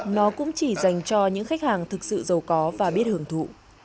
nó cũng chỉ dành cho những khách hàng thực sự giàu có và biết hưởng thụ